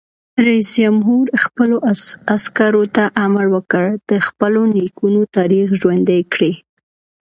رئیس جمهور خپلو عسکرو ته امر وکړ؛ د خپلو نیکونو تاریخ ژوندی کړئ!